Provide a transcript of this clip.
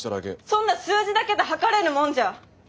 そんな数字だけで測れるもんじゃ。